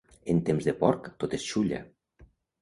En temps de porc tot és xulla.